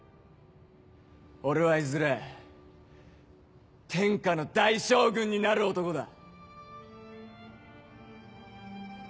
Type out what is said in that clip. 俺はいずれ天下の大将軍になる男だ！